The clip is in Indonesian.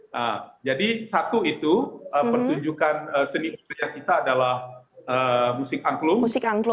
nah jadi satu itu pertunjukan seni budaya kita adalah musik angklung